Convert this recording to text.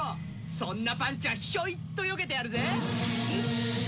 そんなパンチはヒョイッとよけてやるぜ！